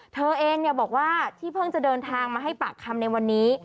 เธอเองบอกว่าที่เพิ่งจะเดินทางมาให้ปากคำในวันนี้